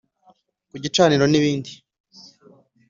Ku Gicaniro n’ibindi